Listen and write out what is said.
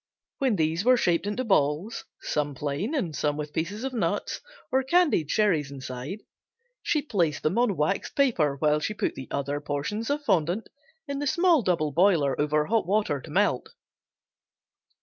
When these were shaped into balls, some plain and some with pieces of nuts or candied cherries inside, she placed them on waxed paper while she put the other portions of fondant in the small double boiler over hot water to melt.